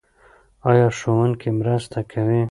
ایا ښوونکی مرسته کوي؟